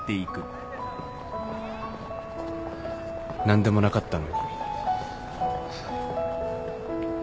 何でもなかったのに